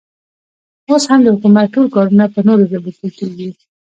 اوس هم د حکومت ټول کارونه په نورو ژبو کې کېږي.